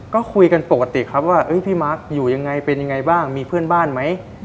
ก็คุยกันปกติครับว่าพี่มาร์คอยู่ยังไงเป็นยังไงบ้างมีเพื่อนบ้านไหม